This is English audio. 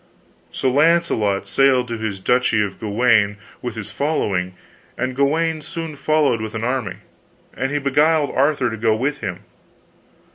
So Launcelot sailed to his Duchy of Guienne with his following, and Gawaine soon followed with an army, and he beguiled Arthur to go with him.